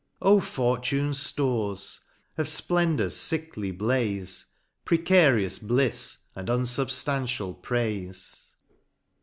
33 Of fortune's ftores, of fplendor's fickly blaze, Precarious blifs, and unfubftantial praife.